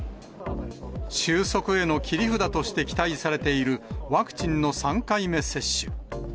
収束への切り札として期待されている、ワクチンの３回目接種。